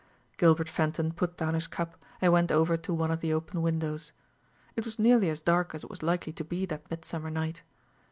Gilbert Fenton put down his cup and went over to one of the open windows. It was nearly as dark as it was likely to be that midsummer night.